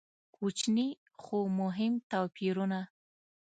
کوچني خو مهم توپیرونه.